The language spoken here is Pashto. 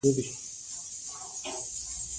که نجونې ځمکپوهې وي نو کانونه به نه ورکیږي.